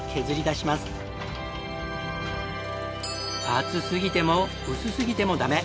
厚すぎても薄すぎてもダメ。